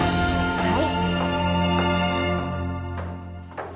はい。